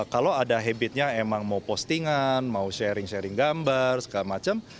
kalau ada habitnya emang mau postingan mau sharing sharing gambar segala macam